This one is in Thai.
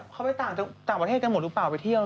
เขาไปต่างประเทศกันหมดหรือเปล่าไปเที่ยว